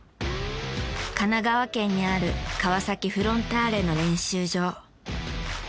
神奈川県にある川崎フロンターレの練習場。